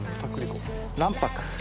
卵白。